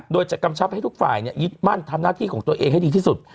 โดยจะกำชับให้ทุกฝ่ายยึดมั่นทำหน้าที่ของตัวเองให้ดีที่สุด